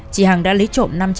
chị hằng đã lấy trộm